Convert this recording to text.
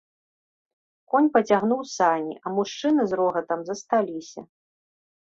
Конь пацягнуў сані, а мужчыны з рогатам засталіся.